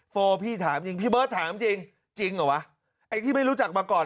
โอพี่ถามจริงพี่เบิร์ตถามจริงจริงเหรอวะไอ้ที่ไม่รู้จักมาก่อน